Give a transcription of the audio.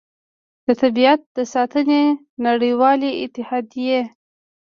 د طبیعت د ساتنې نړیوالې اتحادیې